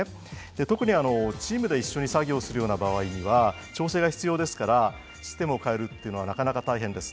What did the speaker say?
特にチームで処理作業する場合には調整が必要ですからシステムを変えるというのはなかなか大変です。